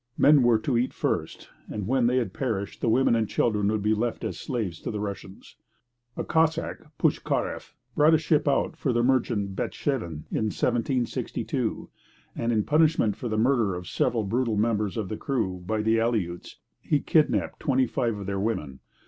The men were to eat first, and when they perished the women and children would be left as slaves to the Russians. A Cossack, Pushkareff, brought a ship out for the merchant Betshevin in 1762, and, in punishment for the murder of several brutal members of the crew by the Aleuts, he kidnapped twenty five of their women.